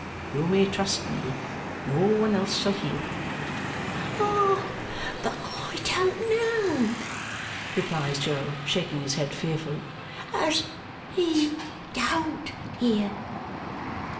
You may trust me. No one else shall hear." "Ah, but I don't know," replies Jo, shaking his head fearfully, "as he DON'T hear."